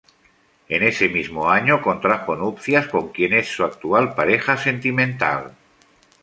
En ese mismo año contrajo nupcias con quien es su actual pareja sentimental.